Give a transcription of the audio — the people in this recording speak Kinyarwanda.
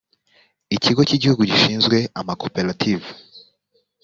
ikigo cy igihugu gishinzwe amakoperative